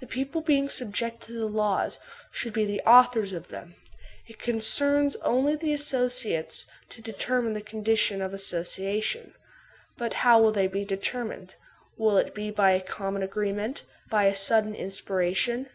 The people, being subjected to the laws, should be the authors of them; it concerns only the associates to determine the conditions of association. But how will they be determined ? Will it be by a common agreement, by a sudden inspiration